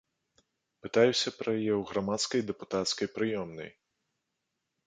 Пытаюся пра яе ў грамадскай дэпутацкай прыёмнай.